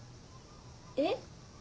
えっ？